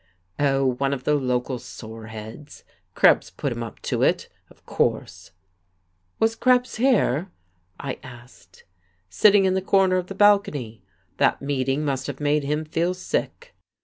"Oh, one of the local sore heads. Krebs put him up to it, of course." "Was Krebs here?" I asked. "Sitting in the corner of the balcony. That meeting must have made him feel sick."